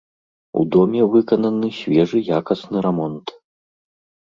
У доме выкананы свежы якасны рамонт.